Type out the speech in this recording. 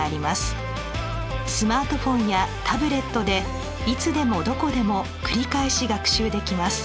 スマートフォンやタブレットでいつでもどこでも繰り返し学習できます。